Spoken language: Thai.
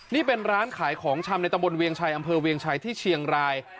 นี่เป็นร้านขายของชำในตะบนเวียงชัยอำเภอเวียงชัยที่เชียงราย